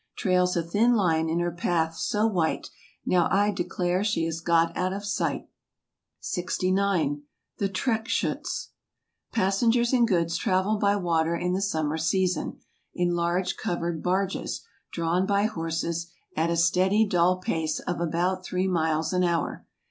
Trails a thin line in her path so white, Now I declare she has got out of sight. FRANCE, 83 69 . The Treckschutz .,»• i Passengers and goods travel by water in the summer season, in large covered barges, drawn by horses, at a steady dull pace of about three miles an hour.